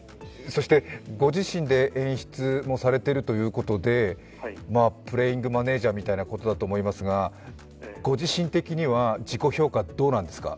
そしてご自身で演出もされてるということでプレイングマネージャーみたいなことだと思いますが、ご自身的には自己評価、どうなんですか？